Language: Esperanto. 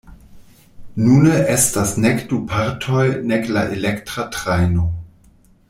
Nune estas nek la du partoj nek la elektra trajno.